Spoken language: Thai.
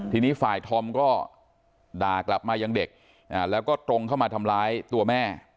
ทีนี้ฝ่ายธอมก็ด่ากลับมายังเด็กแล้วก็ตรงเข้ามาทำร้ายตัวแม่